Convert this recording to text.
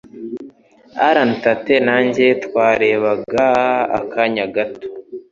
Alan Tate nanjye twarebaga akanya gato.